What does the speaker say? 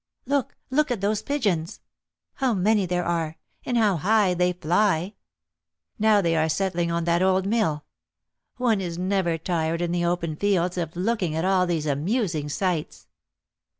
Look! look at those pigeons! how many there are! and how high they fly! Now they are settling on that old mill. One is never tired in the open fields of looking at all these amusing sights."